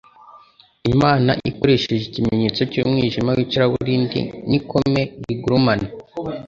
Imana ikoresheje ikimenyetso cy'umwijima w'icuraburindi n'ikome rigurumana,